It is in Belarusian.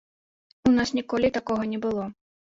У нас ніколі такога не было.